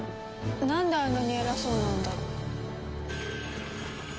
なんであんなに偉そうなんだろ？